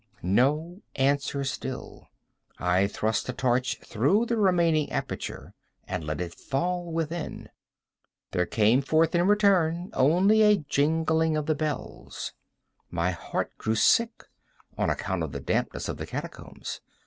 No answer still. I thrust a torch through the remaining aperture and let it fall within. There came forth in return only a jingling of the bells. My heart grew sick—on account of the dampness of the catacombs.